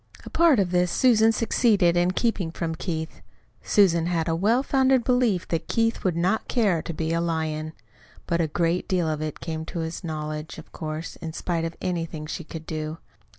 A part of this Susan succeeded in keeping from Keith Susan had a well founded belief that Keith would not care to be a lion. But a great deal of it came to his knowledge, of course, in spite of anything she could do.